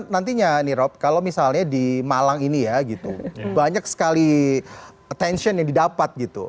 nantinya nih rob kalau misalnya di malang ini ya gitu banyak sekali attention yang didapat gitu